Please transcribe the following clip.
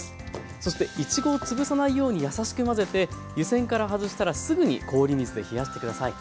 そしていちごをつぶさないようにやさしく混ぜて湯煎から外したらすぐに氷水で冷やして下さい。